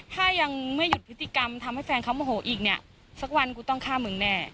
ถ้ายังไม่หยุดพฤติกรรมทำให้แฟนเขาโมโหอีกเนี่ยสักวันกูต้องฆ่ามึงแน่